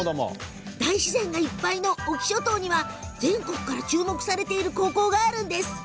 大自然がいっぱいの隠岐諸島には全国から注目されている高校があるんです。